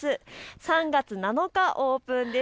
３月７日オープンです。